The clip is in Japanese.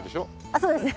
あっそうですね。